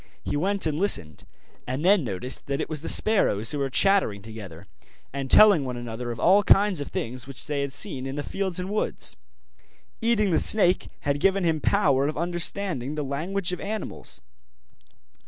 He went and listened, and then noticed that it was the sparrows who were chattering together, and telling one another of all kinds of things which they had seen in the fields and woods. Eating the snake had given him power of understanding the language of animals.